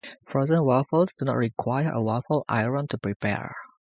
Frozen waffles do not require a waffle iron to prepare.